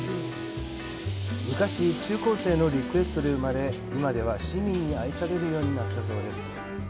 昔、中高生のリクエストで生まれ今では、市民に愛されるようになったそうです。